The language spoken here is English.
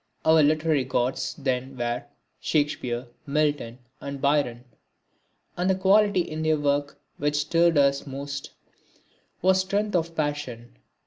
Our literary gods then were Shakespeare, Milton and Byron; and the quality in their work which stirred us most was strength of passion.